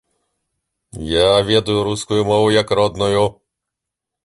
Я ведаю рускую мову як родную.